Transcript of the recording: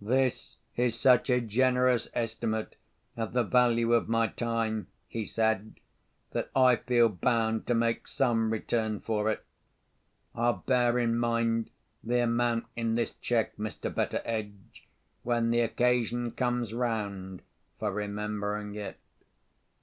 "This is such a generous estimate of the value of my time," he said, "that I feel bound to make some return for it. I'll bear in mind the amount in this cheque, Mr. Betteredge, when the occasion comes round for remembering it."